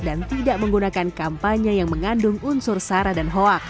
dan tidak menggunakan kampanye yang mengandung unsur sara dan hoaks